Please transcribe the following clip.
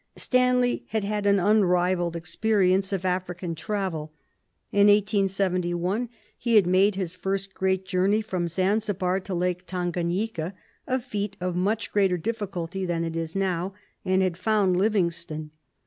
Stanley had had an unrivalled experience of African travel. In 1871 he had made his first great journey from Zanzibar to Lake Tanganyika, a feat of much greater difficulty then than it is now, and had found Livingstone.